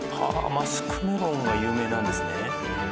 マスクメロンが有名なんですね。